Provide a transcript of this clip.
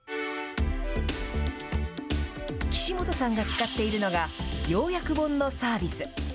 岸本さんが使っているのが、要約本のサービス。